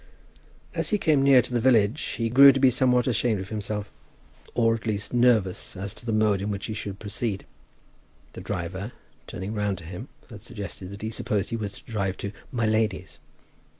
As he came near to the village, he grew to be somewhat ashamed of himself, or, at least, nervous as to the mode in which he would proceed. The driver, turning round to him, had suggested that he supposed he was to drive to "My lady's."